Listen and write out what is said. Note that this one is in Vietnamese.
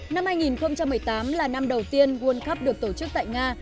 năm hai nghìn một mươi tám là năm đầu tiên world cup được tổ chức tại nga